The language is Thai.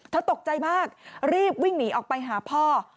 ตกใจมากรีบวิ่งหนีออกไปหาพ่อ